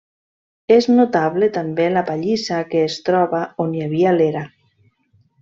És notable també la pallissa que es troba on hi havia l'era.